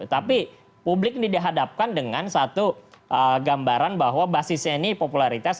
tapi publik ini dihadapkan dengan satu gambaran bahwa basisnya ini popularitas